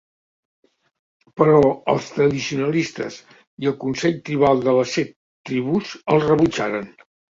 Però, els tradicionalistes i el Consell Tribal de les Set Tribus el rebutjaren.